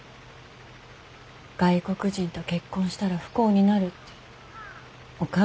外国人と結婚したら不幸になるってお母さんそう言ってたもんね。